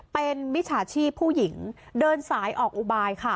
เป็นมิจฉาชีพผู้หญิงเดินสายออกอุบายค่ะ